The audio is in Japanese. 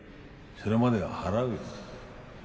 それまでは払うよ